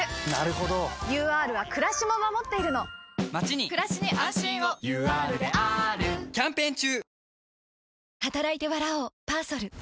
ＵＲはくらしも守っているのまちにくらしに安心をＵＲであーるキャンペーン中！